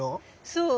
そう。